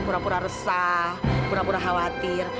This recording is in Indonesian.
pura pura resah pura pura khawatir